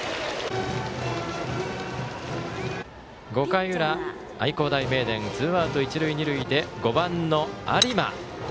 ５回裏、愛工大名電ツーアウト、一塁二塁で５番の有馬。